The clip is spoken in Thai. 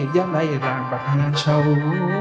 ยังไล่ร่างบรรทาชาว